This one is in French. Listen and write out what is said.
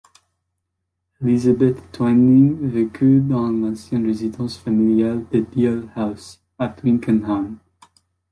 Elizabeth Twining vécut dans l'ancienne résidence familiale de Dial House, à Twickenham.